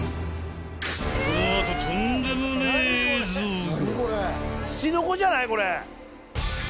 ［この後とんでもねえ映像が］